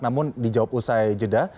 namun di jawab usai jeda